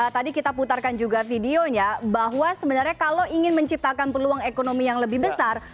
tadi kita putarkan juga videonya bahwa sebenarnya kalau ingin menciptakan peluang ekonomi yang lebih besar